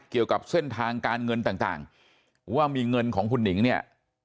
เกี่ยวกับเส้นทางการเงินต่างว่ามีเงินของคุณหนิงเนี่ย